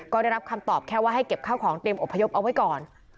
ก็ได้รับคำตอบแค่ว่าให้เก็บข้าวของเตรียมอบพยพเอาไว้ก่อน